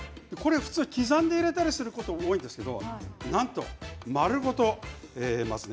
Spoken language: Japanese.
刻んで入れたりすることも多いですけれどもなんと丸ごと入れますね。